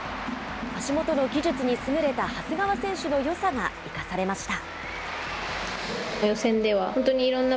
足元の技術に優れた長谷川選手のよさが生かされました。